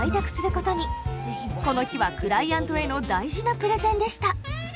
この日はクライアントへの大事なプレゼンでした。